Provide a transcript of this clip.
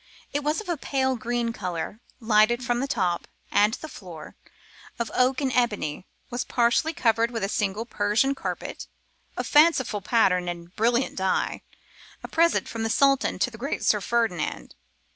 It was of a pale green colour, lighted from the top; and the floor, of oak and ebony, was partially covered with a single Persian carpet, of fanciful pattern and brilliant dye, a present from the Sultan to the great Sir Ferdinand.